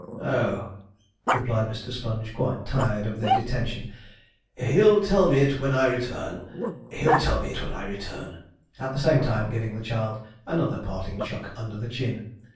'Oh,' replied Mr. Sponge, quite tired of the detention, 'he'll tell me it when I return he'll tell me it when I return,' at the same time giving the child another parting chuck under the chin.